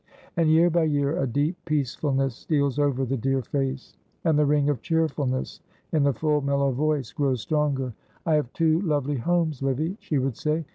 And year by year a deep peacefulness steals over the dear face, and the ring of cheerfulness in the full, mellow voice grows stronger. "I have two lovely homes, Livy," she would say.